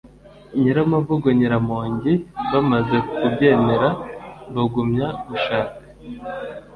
nyiramavugo nyiramongi. bamaze kubyemera, bagumya gushaka